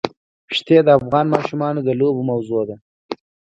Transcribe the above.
ښتې د افغان ماشومانو د لوبو موضوع ده.